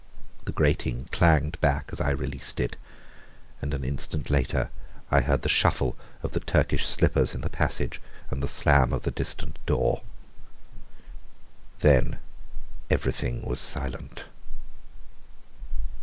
The grating clanged back as I released it, and an instant later I heard the shuffle of the Turkish slippers in the passage, and the slam of the distant door. Then everything was silent.